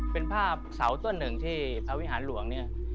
เป็นภาพเสาต้นหนึ่งที่พระวิหารหลวงเนี่ย